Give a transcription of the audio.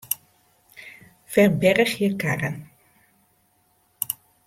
Ferbergje karren.